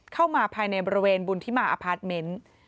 เข้ามาภายในบริเวณบุญที่มาอพาร์ทเมนต์